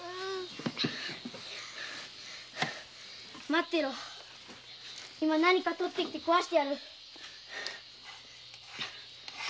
待ってろ今何か取ってきて食わしてやる。